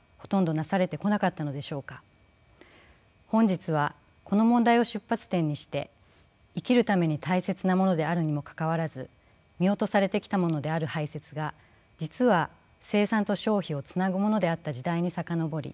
本日はこの問題を出発点にして生きるために大切なものであるにもかかわらず見落とされてきたものである排泄が実は生産と消費をつなぐものであった時代に遡り